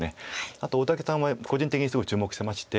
あと大竹さんは個人的にすごい注目してまして。